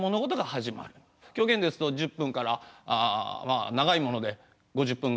狂言ですと１０分からまあ長いもので５０分ぐらい。